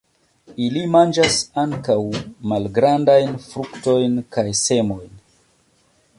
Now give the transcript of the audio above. Ili manĝas ankaŭ malgrandajn fruktojn kaj semojn.